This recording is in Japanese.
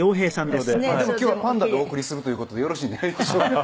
でも今日はパンダでお送りするという事でよろしいでしょうか？